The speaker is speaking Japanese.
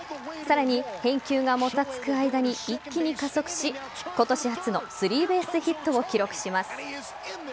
さらに返球がもたつく間に一気に加速し今年初のスリーベースヒットを記録します。